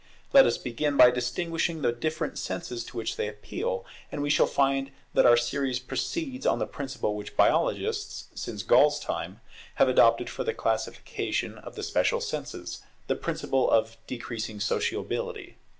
Let us begin by distinguishing the different senses to which they appeal; and we shall find that our series proceeds on the principle which biologists, since Gall's time, have adopted for the classification of the special senses, the principle of decreasing sociability.